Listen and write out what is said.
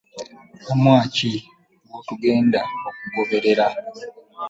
Mulamwa ki gwetugenda okugoberera?